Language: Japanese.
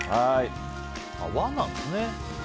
和なんですね。